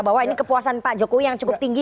bahwa ini kepuasan pak jokowi yang cukup tinggi